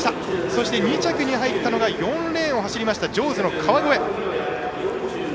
そして、２着に入ったのが４レーンを走りましたＪＡＷＳの川越。